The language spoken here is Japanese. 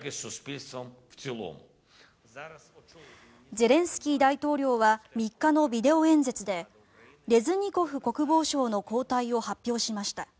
ゼレンスキー大統領は３日のビデオ演説でレズニコフ国防相の交代を発表しました。